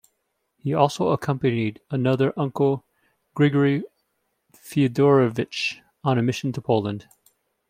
He also accompanied another uncle Grigory Fyodorovich on a mission to Poland.